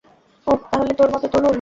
ওহ, তাহল তোর মত তরুণ।